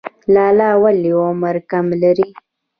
لاله ولې عمر کم لري؟